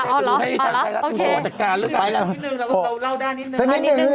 เดี๋ยวเอาไทยลัทรูโชว์เถิดการกัน